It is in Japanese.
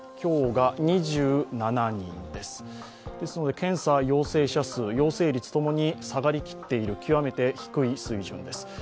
検査陽性者数、陽性率ともに下がりきっている、極めて低い水準です。